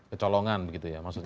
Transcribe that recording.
kecolongan begitu ya maksudnya